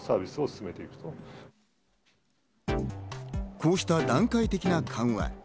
こうした段階的な緩和。